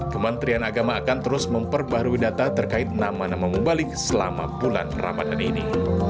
kementerian agama akan terus memperbarui data terkait nama nama mubalik selama bulan ramadan ini